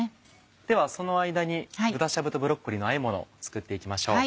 ではその間に豚しゃぶとブロッコリーのあえものを作って行きましょう。